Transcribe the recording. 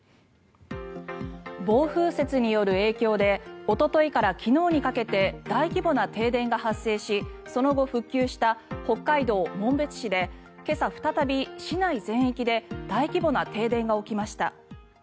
暴風雪による影響でおとといから昨日にかけて大規模な停電が発生しその後、復旧した北海道紋別市で今朝再び、市内全域で大規模な停電が起きました。